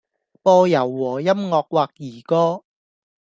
播柔和音樂或兒歌